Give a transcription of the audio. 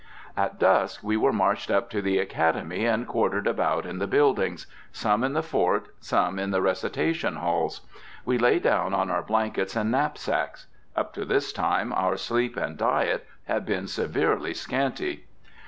At dusk we were marched up to the Academy and quartered about in the buildings, some in the fort, some in the recitation halls. We lay down on our blankets and knapsacks. Up to this time our sleep and diet had been severely scanty.